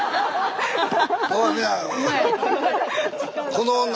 この女